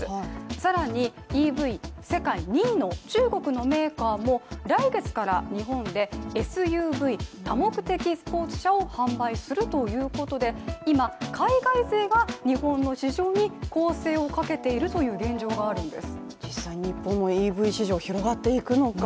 更にＥＶ世界２位の中国のメーカーも来月から日本でＳＵＶ＝多目的スポーツ車を販売するということで今、海外勢が日本の市場に攻勢をかけているという現状があるんです。